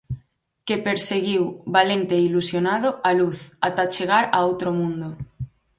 Que perseguiu, valente e ilusionado, a luz, ata chegar a outro mundo.